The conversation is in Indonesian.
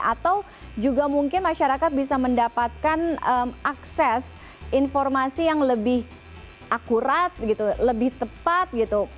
atau juga mungkin masyarakat bisa mendapatkan akses informasi yang lebih akurat gitu lebih tepat gitu